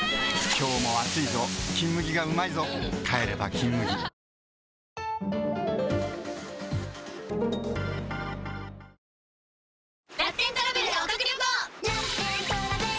今日も暑いぞ「金麦」がうまいぞ帰れば「金麦」ＣｏｍｅＯｎ！